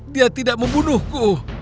dia tidak membunuhku